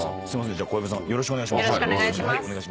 じゃあ小籔さんよろしくお願いします。